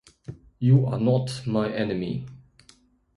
You are not my enemy.